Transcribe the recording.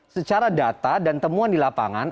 secara data dan temuan di lapangan